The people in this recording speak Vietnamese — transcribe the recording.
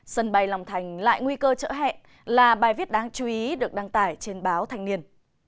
sân bay long thành lại nguy cơ trở hẹn là bài viết đáng chú ý được đăng tải trên báo thanh niên